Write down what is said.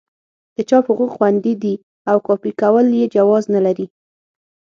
د چاپ حقوق خوندي دي او کاپي کول یې جواز نه لري.